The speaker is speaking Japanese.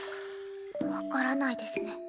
分からないですね。